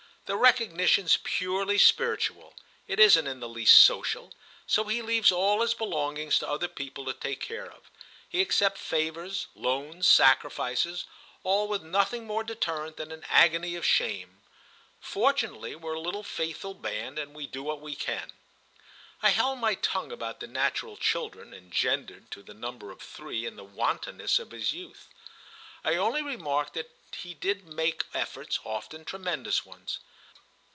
The recognition's purely spiritual—it isn't in the least social. So he leaves all his belongings to other people to take care of. He accepts favours, loans, sacrifices—all with nothing more deterrent than an agony of shame. Fortunately we're a little faithful band, and we do what we can." I held my tongue about the natural children, engendered, to the number of three, in the wantonness of his youth. I only remarked that he did make efforts—often tremendous ones.